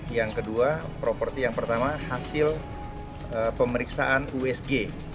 yang kedua properti yang pertama hasil pemeriksaan usg